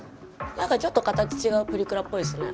何かちょっと形違うプリクラっぽいですね。